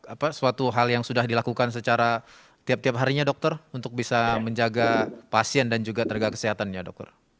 apa suatu hal yang sudah dilakukan secara tiap tiap harinya dokter untuk bisa menjaga pasien dan juga tenaga kesehatan ya dokter